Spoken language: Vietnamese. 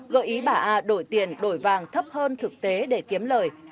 gợi ý bà a đổi tiền đổi vàng thấp hơn thực tế để kiếm lời